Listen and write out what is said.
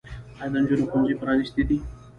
آیا د نجونو ښوونځي پرانیستي دي؟